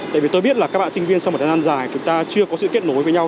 tại vì tôi biết là các bạn sinh viên sau một thời gian dài chúng ta chưa có sự kết nối với nhau